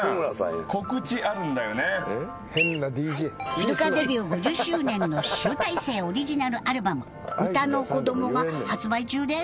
イルカデビュー５０周年の集大成オリジナルアルバム『うたのこども』が発売中です。